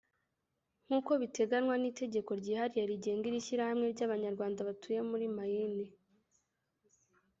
nk’uko biteganywa n’itegeko ryihariye rigenga iri shyirahamwe ry’Abanyarwanda batuye muri Maine